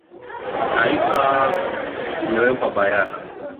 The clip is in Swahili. taifa ndlf imeweka bayana